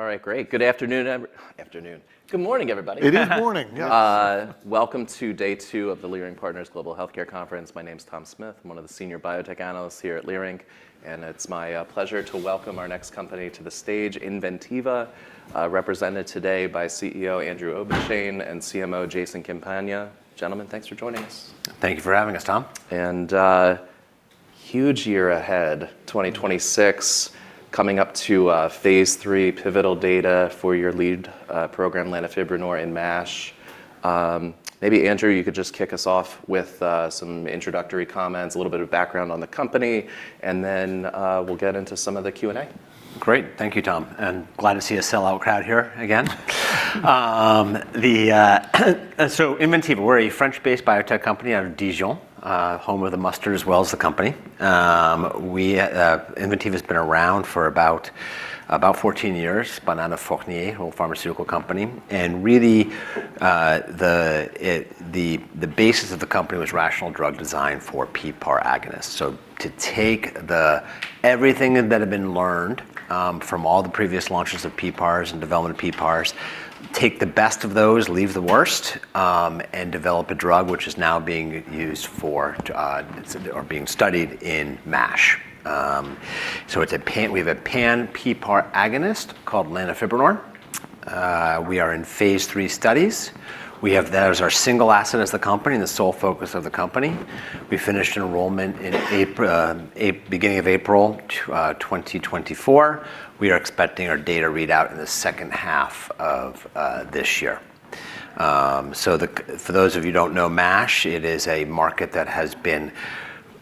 All right, great. Good afternoon. Good morning, everybody. It is morning, yes. Welcome to day two of the Leerink Partners Global Healthcare Conference. My name's Tom Smith. I'm one of the senior biotech analysts here at Leerink, and it's my pleasure to welcome our next company to the stage, Inventiva, represented today by CEO Andrew Obenshain and CMO Michael Cooreman. Gentlemen, thanks for joining us. Thank you for having us, Tom. Huge year ahead. 2026, coming up to phase 3 pivotal data for your lead program lanifibranor in MASH. Maybe Andrew, you could just kick us off with some introductory comments, a little bit of background on the company, and then we'll get into some of the Q&A. Great. Thank you, Tom, and glad to see a sell-out crowd here again. Inventiva, we're a French-based biotech company out of Dijon, home of the mustard as well as the company. Inventiva's been around for about 14 years by Negma Fournier, whole pharmaceutical company. Really, the basis of the company was rational drug design for PPAR agonists. To take everything that had been learned from all the previous launches of PPARs and development of PPARs, take the best of those, leave the worst, and develop a drug which is now being used for, to, or being studied in MASH. We have a pan PPAR agonist called lanifibranor. We are in phase 3 studies. That is our single asset as the company and the sole focus of the company. We finished enrollment in beginning of April 2024. We are expecting our data readout in the second half of this year. For those of you who don't know MASH, it is a market that has been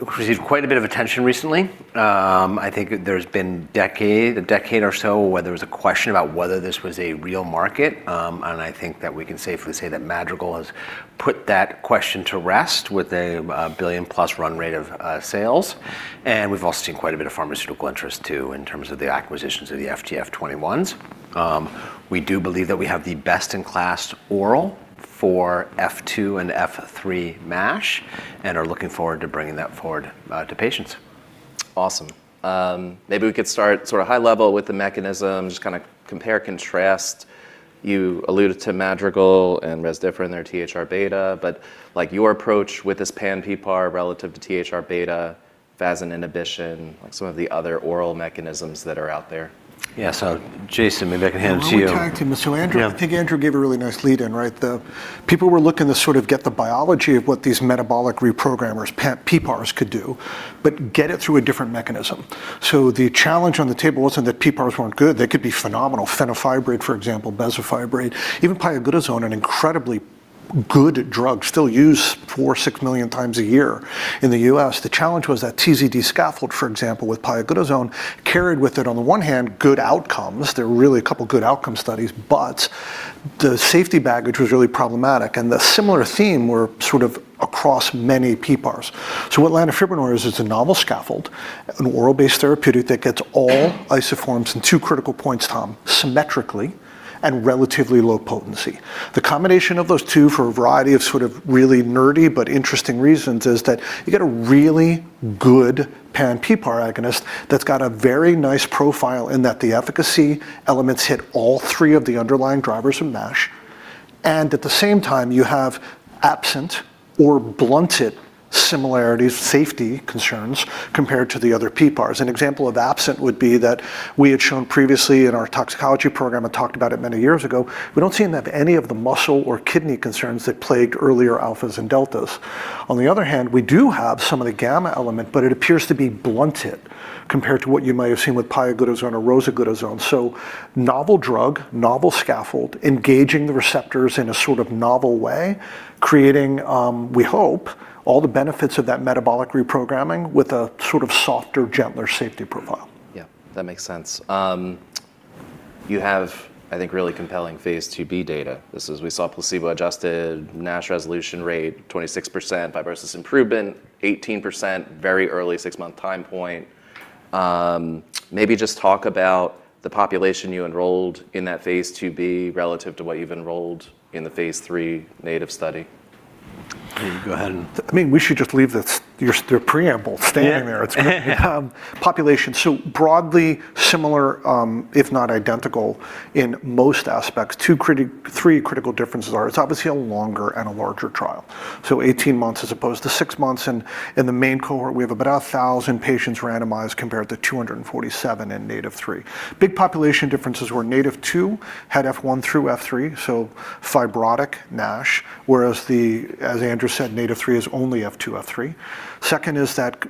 received quite a bit of attention recently. I think there's been a decade or so where there was a question about whether this was a real market. I think that we can safely say that Madrigal has put that question to rest with a $1 billion-plus run rate of sales. We've also seen quite a bit of pharmaceutical interest too in terms of the acquisitions of the FGF21s. We do believe that we have the best-in-class oral for F2 and F3 MASH and are looking forward to bringing that forward to patients. Awesome. Maybe we could start sort of high level with the mechanisms, kind of compare, contrast. You alluded to Madrigal and Rezdiffra in their THR-β, but, like, your approach with this pan PPAR relative to THR-β, FASN inhibition, like some of the other oral mechanisms that are out there. Michael, maybe I can hand to you. Well, let me turn to Andrew. Yeah. I think Andrew gave a really nice lead in, right? People were looking to sort of get the biology of what these metabolic reprogrammers, pan-PPARs, could do, but get it through a different mechanism. The challenge on the table wasn't that PPARs weren't good. They could be phenomenal. Fenofibrate, for example, bezafibrate, even pioglitazone, an incredibly good drug still used 4-6 million times a year in the U.S. The challenge was that TZD scaffold, for example, with pioglitazone, carried with it, on the one hand, good outcomes. There were really a couple good outcome studies, but the safety baggage was really problematic, and the similar theme were sort of across many PPARs. What lanifibranor is, it's a novel scaffold, an oral-based therapeutic that gets all isoforms in two critical points, Tom, symmetrically and relatively low potency. The combination of those two for a variety of sort of really nerdy but interesting reasons is that you get a really good pan-PPAR agonist that's got a very nice profile in that the efficacy elements hit all three of the underlying drivers of MASH, and at the same time, you have absent or blunted similarities, safety concerns compared to the other PPARs. An example of absent would be that we had shown previously in our toxicology program and talked about it many years ago, we don't seem to have any of the muscle or kidney concerns that plagued earlier alphas and deltas. On the other hand, we do have some of the gamma element, but it appears to be blunted compared to what you might have seen with pioglitazone or rosiglitazone. Novel drug, novel scaffold, engaging the receptors in a sort of novel way, creating, we hope, all the benefits of that metabolic reprogramming with a sort of softer, gentler safety profile. Yeah. That makes sense. You have, I think, really compelling phase 2b data. This is, we saw placebo-adjusted NASH resolution rate 26%, fibrosis improvement 18%, very early six-month time point. Maybe just talk about the population you enrolled in that phase 2b relative to what you've enrolled in the phase 3 NATiV study. You go ahead and- I mean, we should just leave this, the preamble standing there. Yeah. It's population. Broadly similar, if not identical in most aspects. Three critical differences are it's obviously a longer and a larger trial, 18 months as opposed to 6 months in the main cohort. We have about 1,000 patients randomized compared to 247 in NATiV3. Big population differences. NATiV had F1-F3, so fibrotic NASH, whereas, as Andrew said, NATiV3 is only F2, F3. Second is that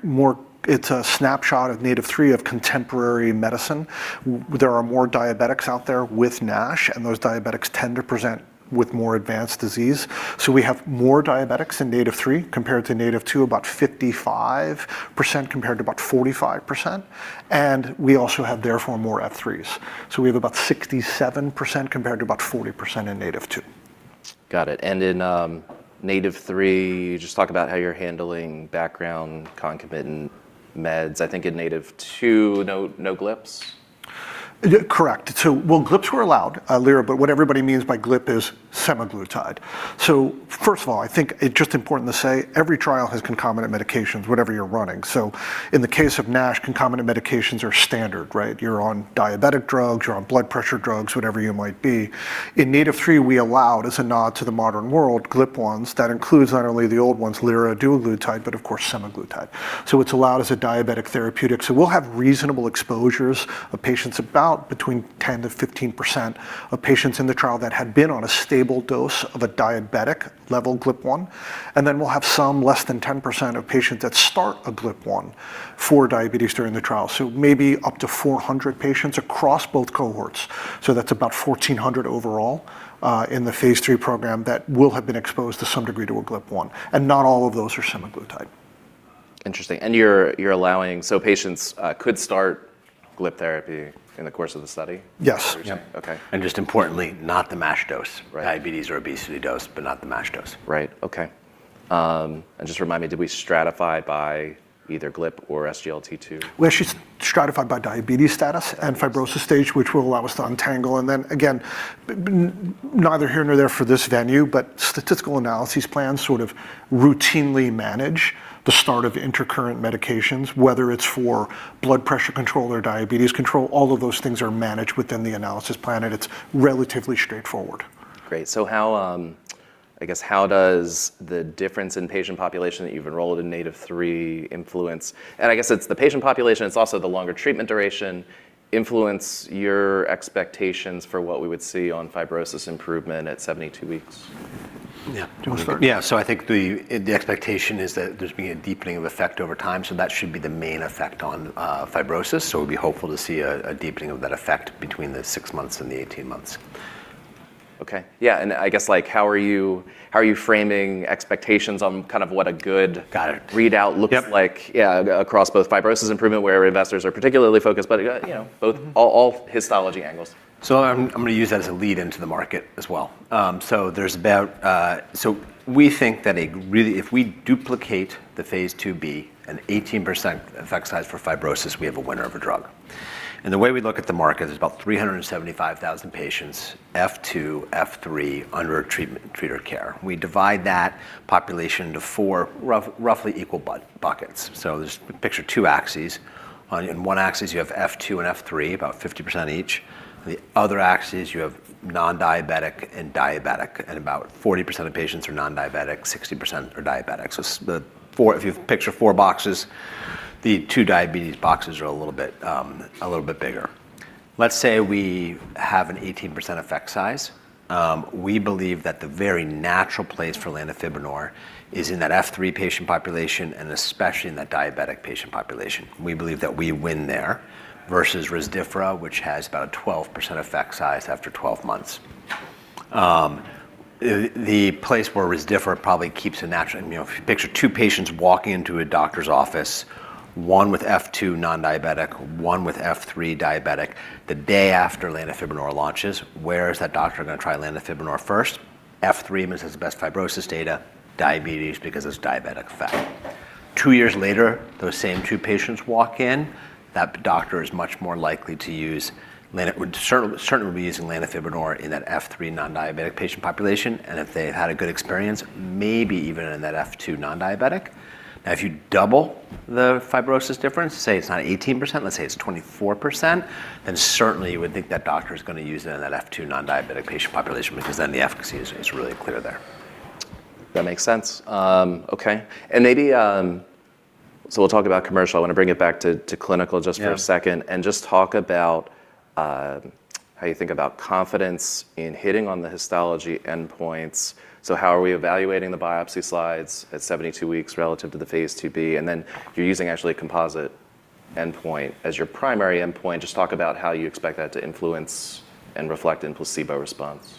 it's a snapshot of NATiV3 of contemporary medicine. There are more diabetics out there with NASH, and those diabetics tend to present with more advanced disease. We have more diabetics in NATiV3 compared to NATiV, about 55% compared to about 45%. We also have therefore more F3s. We have about 67% compared to about 40% in NATiV 2. Got it. In NATiV3, just talk about how you're handling background concomitant meds. I think in NATiV, no GLPs. Yeah, correct. Well, GLP-1s were allowed, liraglutide, but what everybody means by GLP-1 is semaglutide. First of all, I think it's just important to say every trial has concomitant medications, whatever you're running. In the case of NASH, concomitant medications are standard, right? You're on diabetic drugs, you're on blood pressure drugs, whatever you might be. In NATiV3, we allowed, as a nod to the modern world, GLP-1s. That includes not only the old ones, liraglutide, but of course semaglutide. It's allowed as a diabetic therapeutic. We'll have reasonable exposures of patients about between 10%-15% of patients in the trial that had been on a stable dose of a diabetic level GLP-1. And then we'll have some less than 10% of patients that start a GLP-1 for diabetes during the trial. Maybe up to 400 patients across both cohorts. That's about 1,400 overall in the phase 3 program that will have been exposed to some degree to a GLP-1. Not all of those are semaglutide. Interesting. Patients could start GLP therapy in the course of the study? Yes. Okay. Just importantly, not the MASH dose. Right. Diabetes or obesity dose, but not the MASH dose. Right. Okay. Just remind me, did we stratify by either GLP or SGLT2? We actually stratified by diabetes status and fibrosis stage, which will allow us to untangle. Then again, neither here nor there for this venue, but statistical analysis plans sort of routinely manage the start of intercurrent medications, whether it's for blood pressure control or diabetes control. All of those things are managed within the analysis plan, and it's relatively straightforward. Great. How, I guess how does the difference in patient population that you've enrolled in NATiV3 influence? I guess it's the patient population, it's also the longer treatment duration influence your expectations for what we would see on fibrosis improvement at 72 weeks. Yeah. Do you want to start? Yeah. I think the expectation is that there's been a deepening of effect over time, so that should be the main effect on fibrosis. We'll be hopeful to see a deepening of that effect between the 6 months and the 18 months. Okay. Yeah. I guess like how are you framing expectations on kind of what a good- Got it. readout looks like? Yep. Yeah. Across both fibrosis improvement where investors are particularly focused. You know, both all histology angles. I'm gonna use that as a lead into the market as well. We think that if we duplicate the Phase 2b, an 18% effect size for fibrosis, we have a winner of a drug. The way we look at the market is about 375,000 patients, F2, F3, under treatment care. We divide that population into four roughly equal buckets. Picture two axes. On one axis, you have F2 and F3, about 50% each. The other axis, you have non-diabetic and diabetic, and about 40% of patients are non-diabetic, 60% are diabetic. The four, if you picture four boxes, the two diabetes boxes are a little bit bigger. Let's say we have an 18% effect size. We believe that the very natural place for lanifibranor is in that F3 patient population, and especially in that diabetic patient population. We believe that we win there versus Rezdiffra, which has about a 12% effect size after 12 months. The place where Rezdiffra probably keeps a natural, you know, if you picture two patients walking into a doctor's office, one with F2 non-diabetic, one with F3 diabetic, the day after lanifibranor launches, where is that doctor gonna try lanifibranor first? F3, which has the best fibrosis data, diabetes, because it's diabetic effect. Two years later, those same two patients walk in, that doctor is much more likely to use lanifibranor. Would certainly be using lanifibranor in that F3 non-diabetic patient population. If they had a good experience, maybe even in that F2 non-diabetic. Now, if you double the fibrosis difference, say it's not 18%, let's say it's 24%, then certainly you would think that doctor's gonna use it in that F2 non-diabetic patient population, because then the efficacy is really clear there. That makes sense. Okay. Maybe, so we'll talk about commercial. I wanna bring it back to clinical just for a second. Yeah Just talk about how you think about confidence in hitting on the histology endpoints. How are we evaluating the biopsy slides at 72 weeks relative to the phase 2b? You're using actually a composite endpoint as your primary endpoint. Just talk about how you expect that to influence and reflect in placebo response.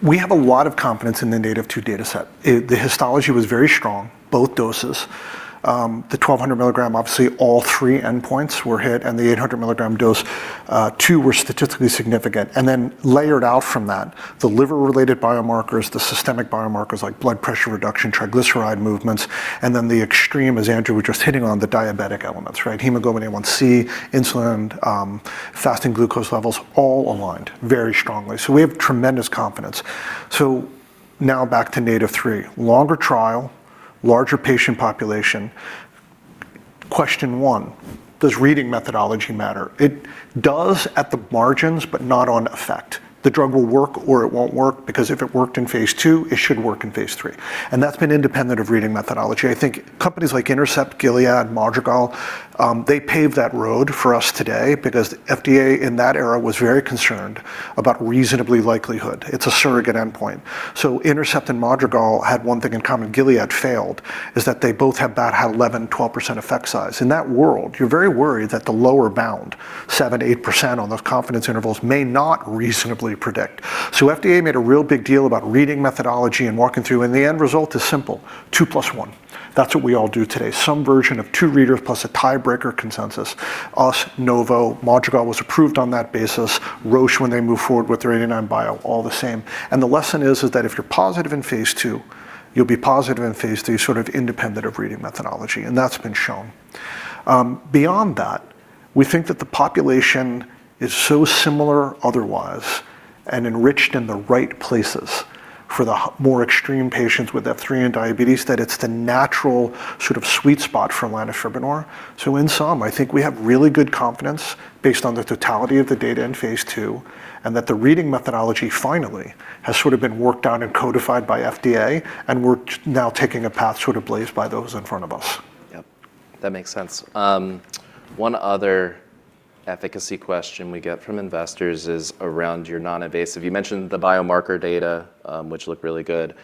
We have a lot of confidence in the NATiV 2 dataset. The histology was very strong, both doses. The 1200 milligram, obviously all three endpoints were hit, and the 800 milligram dose, two were statistically significant. Then layered out from that, the liver-related biomarkers, the systemic biomarkers, like blood pressure reduction, triglyceride movements, and then the extreme, as Andrew was just hitting on, the diabetic elements, right? Hemoglobin A1c, insulin, fasting glucose levels, all aligned very strongly. We have tremendous confidence. Now back to NATiV3. Longer trial, larger patient population. Question one. Does reading methodology matter? It does at the margins, but not on effect. The drug will work or it won't work, because if it worked in phase 2, it should work in phase 3. That's been independent of reading methodology. I think companies like Intercept, Gilead, Madrigal, they paved that road for us today because FDA in that era was very concerned about reasonably likelihood. It's a surrogate endpoint. Intercept and Madrigal had one thing in common, Gilead failed, is that they both have about 11, 12% effect size. In that world, you're very worried that the lower bound, 7, 8% on those confidence intervals, may not reasonably predict. FDA made a real big deal about reading methodology and walking through, and the end result is simple, two plus one. That's what we all do today. Some version of two readers plus a tiebreaker consensus. Us, Novo, Madrigal was approved on that basis. Roche, when they move forward with their 89bio, all the same. The lesson is that if you're positive in phase 2, you'll be positive in phase 3, sort of independent of reading methodology, and that's been shown. Beyond that, we think that the population is so similar otherwise and enriched in the right places for the more extreme patients with F3 and diabetes, that it's the natural sort of sweet spot for lanifibranor. In sum, I think we have really good confidence based on the totality of the data in phase 2, and that the reading methodology finally has sort of been worked on and codified by FDA, and we're now taking a path sort of blazed by those in front of us. Yep, that makes sense. One other efficacy question we get from investors is around your non-invasive. You mentioned the biomarker data, which looked really good.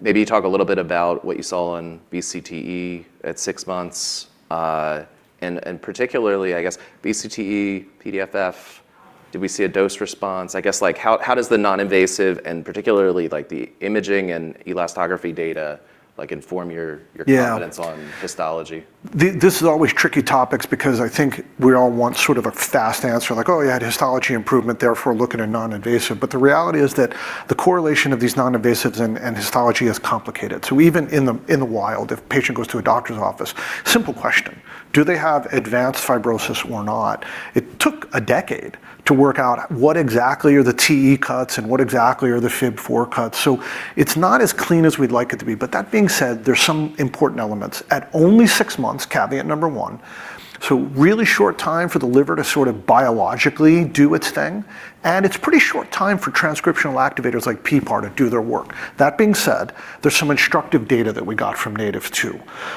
Maybe talk a little bit about what you saw on VCTE at six months, and particularly I guess VCTE, PDFF, did we see a dose response? I guess, like how does the non-invasive and particularly like the imaging and elastography data like inform your- Yeah Your confidence on histology? This is always tricky topics because I think we all want sort of a fast answer like, "Oh yeah, the histology improvement, therefore look at a non-invasive." The reality is that the correlation of these non-invasives and histology is complicated. Even in the wild, if patient goes to a doctor's office, simple question, do they have advanced fibrosis or not? It took a decade to work out what exactly are the TE cuts and what exactly are the FIB-4 cuts? It's not as clean as we'd like it to be. That being said, there's some important elements. At only 6 months, caveat number 1, so really short time for the liver to sort of biologically do its thing, and it's pretty short time for transcriptional activators like PPAR to do their work. That being said, there's some instructive data that we got from NATiV 2.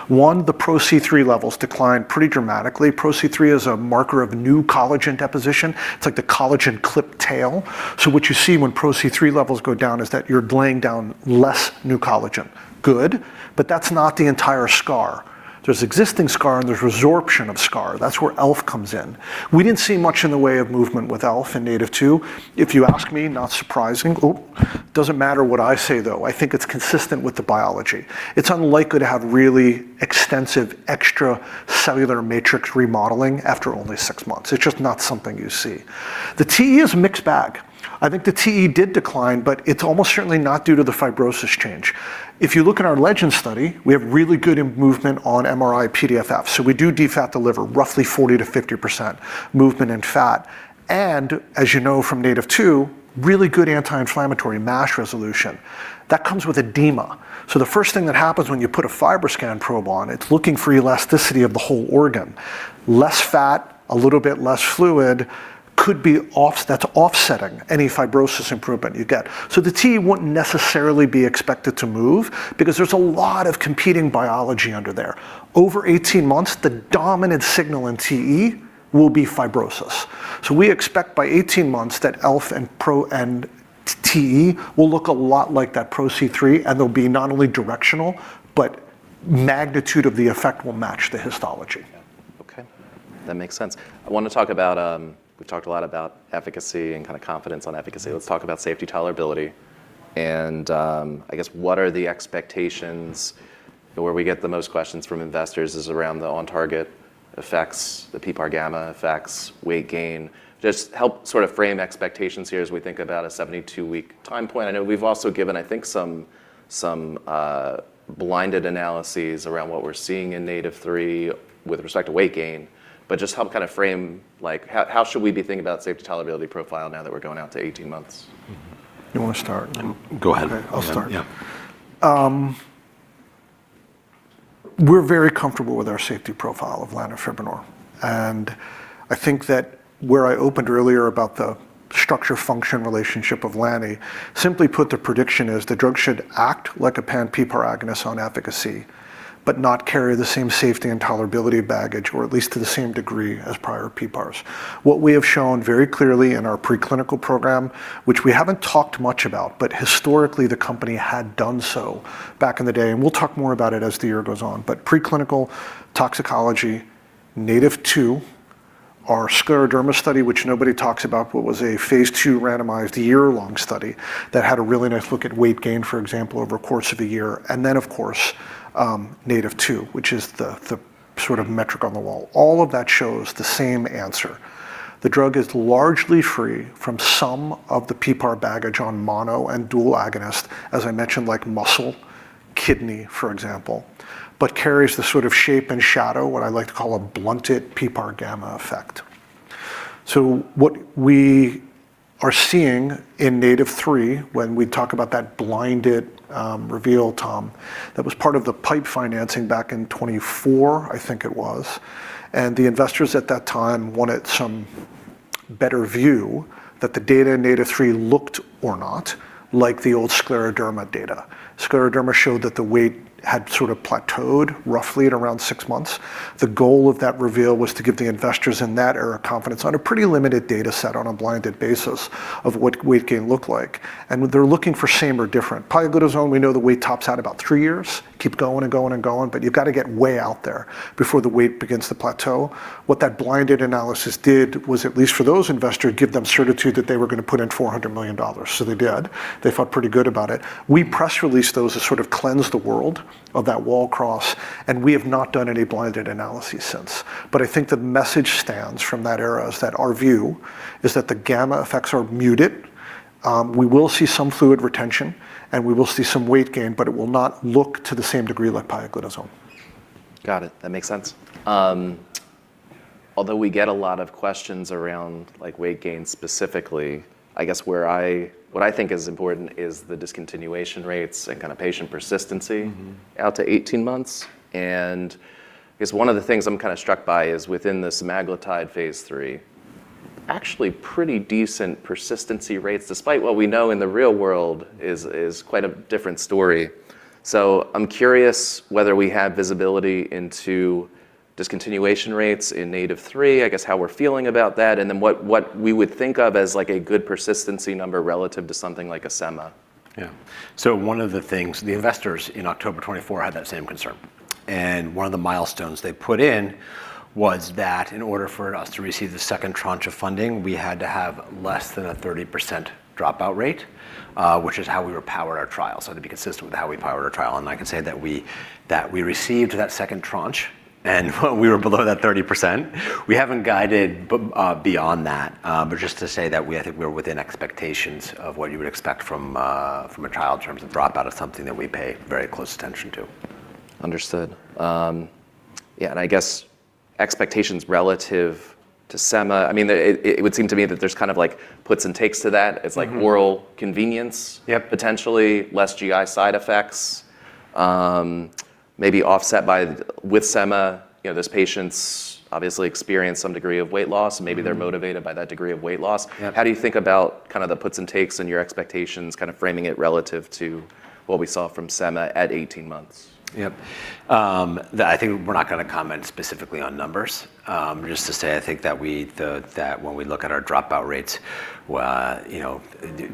One, the Pro-C3 levels declined pretty dramatically. Pro-C3 is a marker of new collagen deposition. It's like the collagen clip tail. So what you see when Pro-C3 levels go down is that you're laying down less new collagen. Good, but that's not the entire scar. There's existing scar and there's resorption of scar. That's where ELF comes in. We didn't see much in the way of movement with ELF in NATiV 2. If you ask me, not surprising. Doesn't matter what I say though. I think it's consistent with the biology. It's unlikely to have really extensive extracellular matrix remodeling after only six months. It's just not something you see. The TE is a mixed bag. I think the TE did decline, but it's almost certainly not due to the fibrosis change. If you look at our LEGEND study, we have really good improvement on MRI-PDFF. We do defat the liver roughly 40%-50% movement in fat. As you know from NATiV 2, really good anti-inflammatory MASH resolution. That comes with edema. The first thing that happens when you put a FibroScan probe on, it's looking for elasticity of the whole organ. Less fat, a little bit less fluid could be offsetting any fibrosis improvement you get. The TE wouldn't necessarily be expected to move because there's a lot of competing biology under there. Over 18 months, the dominant signal in TE will be fibrosis. We expect by 18 months that ELF and Pro-C3 and TE will look a lot like that Pro-C3, and they'll be not only directional, but magnitude of the effect will match the histology. Yeah. Okay, that makes sense. I wanna talk about, we've talked a lot about efficacy and kinda confidence on efficacy. Mm-hmm. Let's talk about safety tolerability, and I guess what are the expectations? Where we get the most questions from investors is around the on target effects, the PPAR-gamma effects, weight gain. Just help sort of frame expectations here as we think about a 72-week time point. I know we've also given I think some blinded analyses around what we're seeing in NATiV3 with respect to weight gain, but just help kinda frame like how should we be thinking about safety tolerability profile now that we're going out to 18 months? You wanna start? Go ahead. Okay. I'll start. We're very comfortable with our safety profile of lanifibranor. I think that where I opened earlier about the structure function relationship of lani, simply put the prediction is the drug should act like a pan-PPAR agonist on efficacy, but not carry the same safety and tolerability baggage, or at least to the same degree as prior PPARs. What we have shown very clearly in our preclinical program, which we haven't talked much about, but historically the company had done so back in the day, and we'll talk more about it as the year goes on. Preclinical toxicology, NATiV too, our scleroderma study, which nobody talks about, what was a phase two randomized year-long study that had a really nice look at weight gain, for example, over a course of a year, and then of course, NATiV too, which is the sort of metric on the wall. All of that shows the same answer. The drug is largely free from some of the PPAR baggage on mono and dual agonist, as I mentioned, like muscle, kidney, for example, but carries the sort of shape and shadow, what I like to call a blunted PPAR-gamma effect. What we are seeing in NATiV3, when we talk about that blinded reveal, Tom, that was part of the PIPE financing back in 2024, I think it was, and the investors at that time wanted some better view that the data in NATiV3 looked or not like the old scleroderma data. Scleroderma showed that the weight had sort of plateaued roughly at around six months. The goal of that reveal was to give the investors in that era confidence on a pretty limited data set on a blinded basis of what weight gain looked like, and they're looking for same or different. Pioglitazone, we know the weight tops out about three years, keep going and going and going, but you've gotta get way out there before the weight begins to plateau. What that blinded analysis did was, at least for those investors, give them certitude that they were gonna put in $400 million. They did. They felt pretty good about it. We press released those to sort of cleanse the world of that wall cross, and we have not done any blinded analysis since. I think the message stands from that era is that our view is that the gamma effects are muted. We will see some fluid retention, and we will see some weight gain, but it will not look to the same degree like pioglitazone. Got it. That makes sense. Although we get a lot of questions around like weight gain specifically, I guess what I think is important is the discontinuation rates and kind of patient persistency. Mm-hmm out to 18 months. I guess one of the things I'm kind of struck by is within the semaglutide phase 3, actually pretty decent persistence rates, despite what we know in the real world is quite a different story. I'm curious whether we have visibility into discontinuation rates in NATiV3, I guess, how we're feeling about that, and then what we would think of as like a good persistence number relative to something like a sema. Yeah. One of the things the investors in October 2024 had that same concern. One of the milestones they put in was that in order for us to receive the second tranche of funding, we had to have less than a 30% dropout rate, which is how we powered our trial. To be consistent with how we powered our trial, and I can say that we received that second tranche, and we were below that 30%. We haven't guided beyond that, but just to say that we, I think we were within expectations of what you would expect from a trial in terms of dropout of something that we pay very close attention to. Understood. Yeah, I guess expectations relative to sema. I mean, it would seem to me that there's kind of like puts and takes to that. Mm-hmm. It's like oral convenience. Yep potentially less GI side effects, maybe offset by with sema, you know, those patients obviously experience some degree of weight loss. Mm-hmm Maybe they're motivated by that degree of weight loss. Yep. How do you think about kind of the puts and takes and your expectations, kind of framing it relative to what we saw from semaglutide at 18 months? Yep. That I think we're not gonna comment specifically on numbers. Just to say, I think that that when we look at our dropout rates, you know,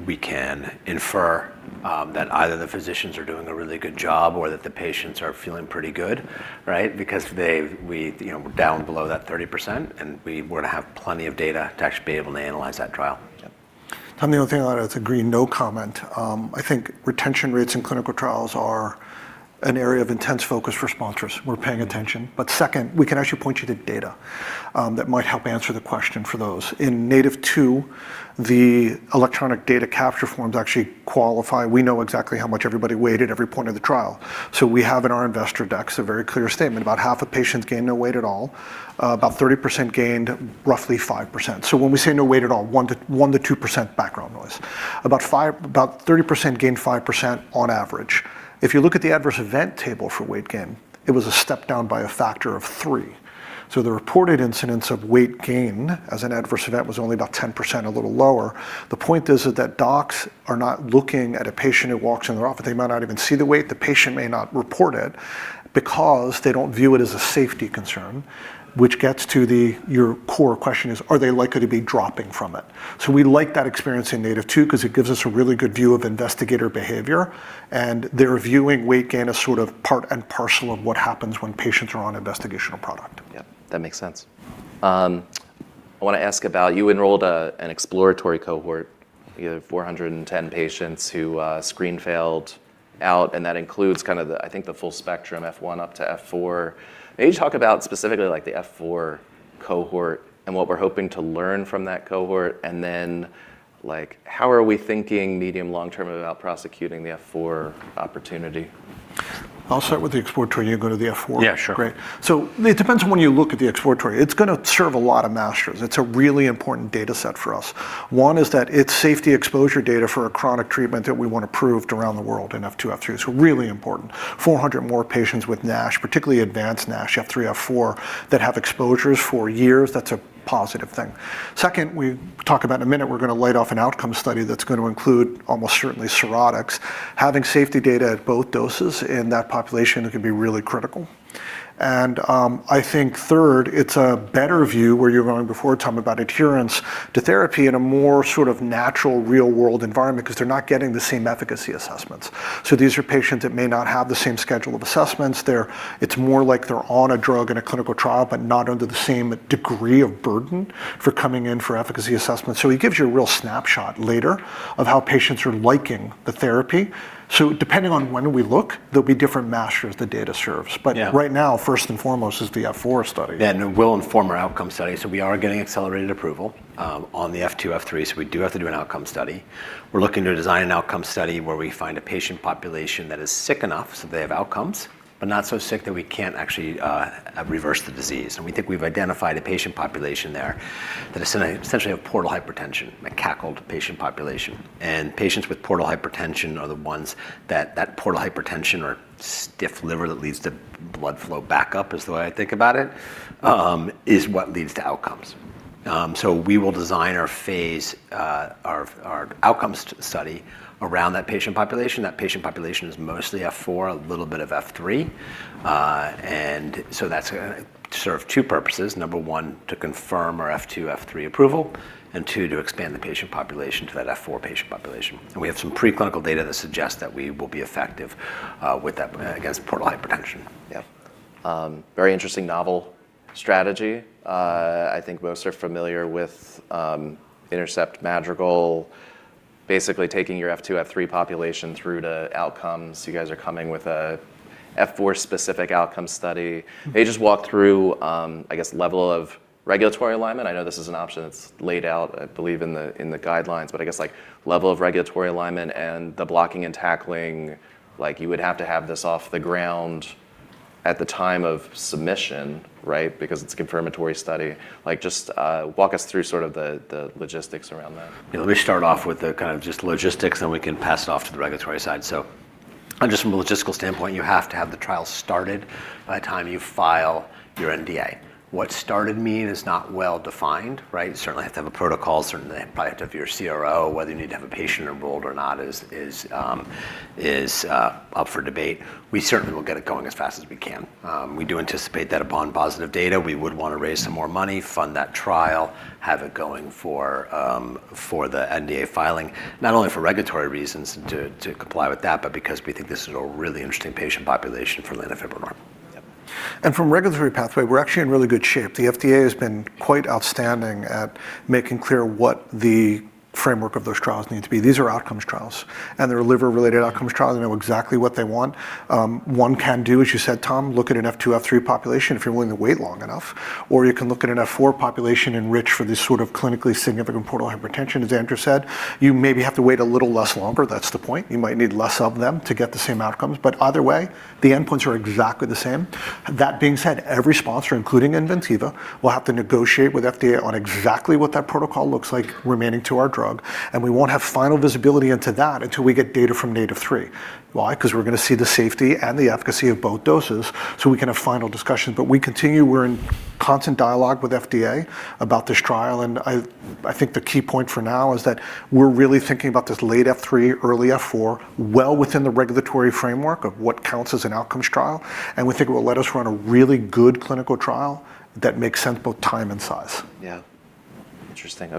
we can infer that either the physicians are doing a really good job or that the patients are feeling pretty good, right? Because you know, we're down below that 30%, and we were to have plenty of data to actually be able to analyze that trial. Yep. Tom, the other thing that I'd like to agree, no comment. I think retention rates in clinical trials are an area of intense focus for sponsors. We're paying attention. Second, we can actually point you to data that might help answer the question for those. In NATiV, too, the electronic data capture forms actually quantify. We know exactly how much everybody weighed at every point of the trial. So we have in our investor decks a very clear statement. About half of patients gained no weight at all. About 30% gained roughly 5%. So when we say no weight at all, 1%-2% background noise. About 30% gained 5% on average. If you look at the adverse event table for weight gain, it was a step down by a factor of three. The reported incidence of weight gain as an adverse event was only about 10%, a little lower. The point is that docs are not looking at a patient who walks in their office. They might not even see the weight. The patient may not report it because they don't view it as a safety concern, which gets to your core question is, are they likely to be dropping from it? We like that experience in NATiV two 'cause it gives us a really good view of investigator behavior, and they're viewing weight gain as sort of part and parcel of what happens when patients are on investigational product. Yep, that makes sense. I wanna ask about you enrolled an exploratory cohort of 410 patients who screen failed out, and that includes kind of I think the full spectrum F1 up to F4. Maybe talk about specifically like the F4 cohort and what we're hoping to learn from that cohort, and then, like, how are we thinking medium, long-term about prosecuting the F4 opportunity? I'll start with the exploratory and you go to the F4. Yeah, sure. Great. It depends on when you look at the exploratory. It's gonna serve a lot of masters. It's a really important data set for us. One is that it's safety exposure data for a chronic treatment that we want approved around the world in F2, F3, so really important. 400 more patients with NASH, particularly advanced NASH, F3, F4, that have exposures for years, that's a positive thing. Second, we'll talk about in a minute, we're gonna leverage an outcome study that's gonna include almost certainly cirrhotics. Having safety data at both doses in that population, it can be really critical. I think third, it's a better view where you were going before talking about adherence to therapy in a more sort of natural real world environment 'cause they're not getting the same efficacy assessments. These are patients that may not have the same schedule of assessments. It's more like they're on a drug in a clinical trial, but not under the same degree of burden for coming in for efficacy assessments. It gives you a real snapshot later of how patients are liking the therapy. Depending on when we look, there'll be different matters the data serves. Yeah. Right now, first and foremost is the F4 study. Yeah, it will inform our outcome study. We are getting accelerated approval on the F2, F3, so we do have to do an outcome study. We're looking to design an outcome study where we find a patient population that is sick enough, so they have outcomes, but not so sick that we can't actually reverse the disease. We think we've identified a patient population there that is essentially a portal hypertension, a CACLD patient population. Patients with portal hypertension are the ones that portal hypertension or stiff liver that leads to blood flow backup is the way I think about it is what leads to outcomes. We will design our outcomes study around that patient population. That patient population is mostly F4, a little bit of F3. That's gonna serve two purposes. Number 1, to confirm our F2, F3 approval, and 2, to expand the patient population to that F4 patient population. We have some pre-clinical data that suggests that we will be effective with that against portal hypertension. Yep. Very interesting novel strategy. I think most are familiar with Intercept, Madrigal, basically taking your F2, F3 population through to outcomes. You guys are coming with a F4 specific outcome study. Maybe just walk through, I guess, level of regulatory alignment. I know this is an option that's laid out, I believe, in the guidelines, but I guess, like, level of regulatory alignment and the blocking and tackling, like you would have to have this off the ground at the time of submission, right, because it's a confirmatory study. Like just walk us through sort of the logistics around that. Yeah, let me start off with the kind of just logistics, then we can pass it off to the regulatory side. Just from a logistical standpoint, you have to have the trial started by the time you file your NDA. What started mean is not well defined, right? Certainly have to have a protocol, certainly probably have to have your CRO. Whether you need to have a patient enrolled or not is up for debate. We certainly will get it going as fast as we can. We do anticipate that upon positive data, we would wanna raise some more money, fund that trial, have it going for the NDA filing, not only for regulatory reasons to comply with that, but because we think this is a really interesting patient population for lanifibranor. Yep. From regulatory pathway, we're actually in really good shape. The FDA has been quite outstanding at making clear what the framework of those trials need to be. These are outcomes trials, and they're liver-related outcomes trials. They know exactly what they want. One can do, as you said, Tom, look at an F2, F3 population if you're willing to wait long enough, or you can look at an F4 population enriched for this sort of clinically significant portal hypertension, as Andrew said. You maybe have to wait a little less longer. That's the point. You might need less of them to get the same outcomes. Either way, the endpoints are exactly the same. That being said, every sponsor, including Inventiva, will have to negotiate with FDA on exactly what that protocol looks like pertaining to our drug, and we won't have final visibility into that until we get data from NATiV3. Why? 'Cause we're gonna see the safety and the efficacy of both doses, so we can have final discussions. We continue, we're in constant dialogue with FDA about this trial, and I think the key point for now is that we're really thinking about this late phase 3, early phase 4 well within the regulatory framework of what counts as an outcomes trial, and we think it will let us run a really good clinical trial that makes sense both time and size. Yeah. Interesting.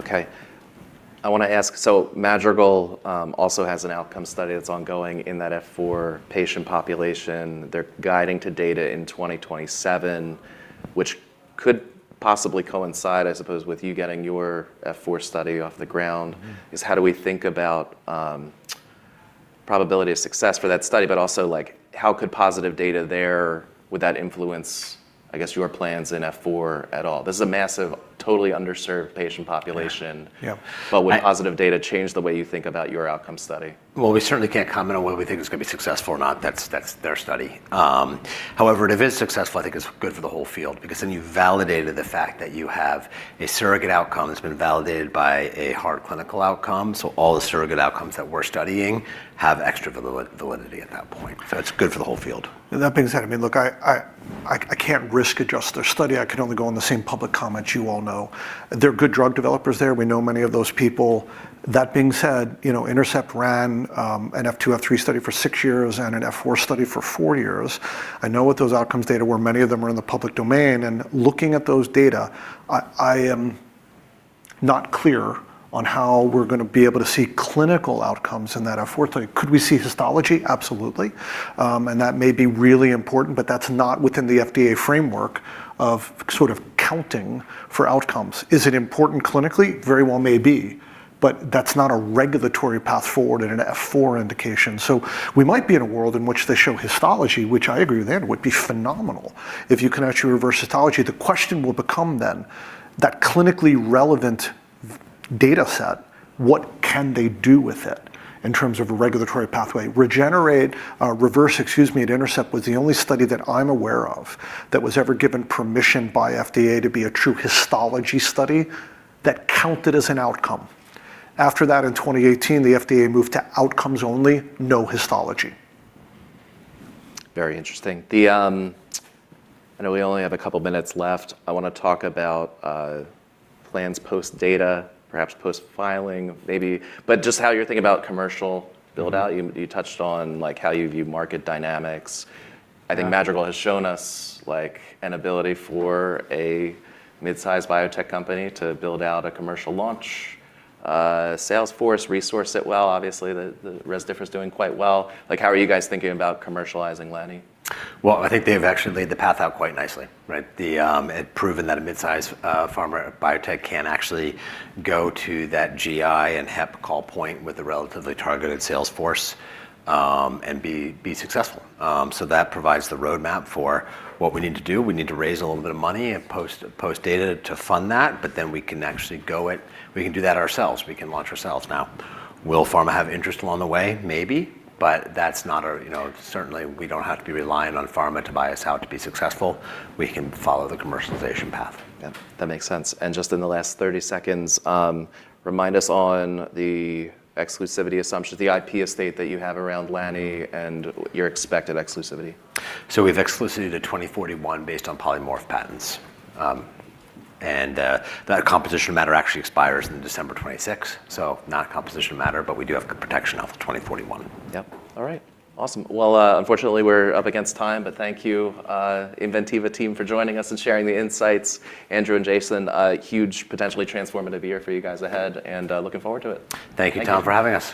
Okay. I wanna ask, Madrigal also has an outcome study that's ongoing in that F4 patient population. They're guiding to data in 2027, which could possibly coincide, I suppose, with you getting your F4 study off the ground. Mm. How do we think about probability of success for that study, but also, like, how could positive data there would that influence, I guess, your plans in F4 at all? This is a massive, totally underserved patient population. Yeah. Yeah. Would positive data change the way you think about your outcome study? Well, we certainly can't comment on whether we think it's gonna be successful or not. That's their study. However, if it is successful, I think it's good for the whole field because then you've validated the fact that you have a surrogate outcome that's been validated by a hard clinical outcome, so all the surrogate outcomes that we're studying have extra validity at that point, so it's good for the whole field. That being said, I mean, look, I can't risk adjust their study. I can only go on the same public comments you all know. They're good drug developers there. We know many of those people. That being said, you know, Intercept ran an F2, F3 study for 6 years and an F4 study for 4 years. I know what those outcomes data were. Many of them are in the public domain, and looking at those data, I am not clear on how we're gonna be able to see clinical outcomes in that F4 study. Could we see histology? Absolutely. And that may be really important, but that's not within the FDA framework of sort of counting for outcomes. Is it important clinically? Very well may be, but that's not a regulatory path forward in an F4 indication. We might be in a world in which they show histology, which I agree then would be phenomenal if you can actually reverse histology. The question will become then that clinically relevant dataset, what can they do with it in terms of a regulatory pathway? REGENERATE at Intercept was the only study that I'm aware of that was ever given permission by FDA to be a true histology study that counted as an outcome. After that, in 2018, the FDA moved to outcomes only, no histology. Very interesting. I know we only have a couple minutes left. I wanna talk about plans post-data, perhaps post-filing maybe, but just how you're thinking about commercial build-out. You touched on, like, how you view market dynamics. Yeah. I think Madrigal has shown us, like, an ability for a mid-size biotech company to build out a commercial launch, sales force, resource it well. Obviously, the Rezdiffra is doing quite well. Like, how are you guys thinking about commercializing lanifibranor? Well, I think they've actually laid the path out quite nicely, right? They have proven that a mid-size pharma biotech can actually go to that GI and Hepatology call point with a relatively targeted sales force, and be successful. That provides the roadmap for what we need to do. We need to raise a little bit of money and post data to fund that, but then we can actually go it. We can do that ourselves. We can launch ourselves now. Will pharma have interest along the way? Maybe, but that's not our. You know, certainly, we don't have to be reliant on pharma to buy us out to be successful. We can follow the commercialization path. Yeah. That makes sense. Just in the last 30 seconds, remind us on the exclusivity assumption, the IP estate that you have around Lani and your expected exclusivity. We've exclusivity to 2041 based on polymorph patents. That composition of matter actually expires in December 2026, so not a composition of matter, but we do have good protection out to 2041. Yep. All right. Awesome. Well, unfortunately, we're up against time, but thank you, Inventiva team for joining us and sharing the insights. Andrew Obenshain and Michael Cooreman, a huge potentially transformative year for you guys ahead, and looking forward to it. Thank you. Thank you, Tom, for having us.